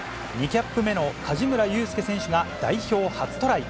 ２キャップ目の梶村祐介選手が代表初トライ。